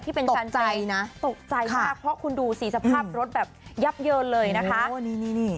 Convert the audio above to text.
ที่เป็นตกใจนะตกใจมากค่ะเพราะคุณดูสีสภาพรถแบบยับเยอะเลยนะคะโอ้นี่นี่นี่